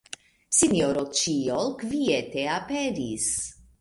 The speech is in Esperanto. Sinjoro Ĉiol kviete aperis.